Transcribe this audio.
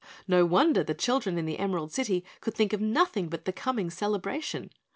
No wonder the children in the Emerald City could think of nothing but the coming celebration.